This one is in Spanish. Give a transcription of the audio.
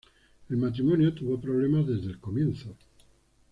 El matrimonio tuvo problemas desde el comienzo.